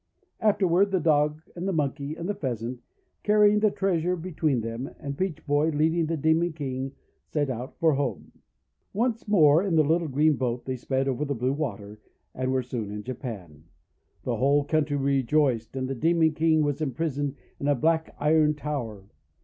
Afterward the Dog, and the Monkey, and the Pheasant, carrying the treas ure between them, and Peach Boy, leading the Demon King, set out for home. Once more in the little green boat they sped over the blue water, and were soon in Japan. The whole country rejoiced, and the 376 THE WONDER GARDEN Demon King was imprisoned in a black iron tower.